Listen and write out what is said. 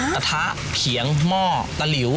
กระทะเขียงหม้อตะหลิว